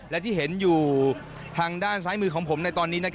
และที่เห็นอยู่ทางด้านซ้ายมือของผมในตอนนี้